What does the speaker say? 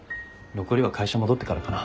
残りは会社戻ってからかな。